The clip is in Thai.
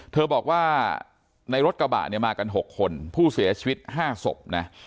เธอบอกว่าในรถกระบะเนี่ยมากัน๖คนผู้เสียชีวิต๕ศพนะ